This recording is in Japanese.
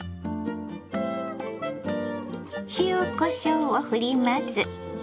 塩こしょうをふります。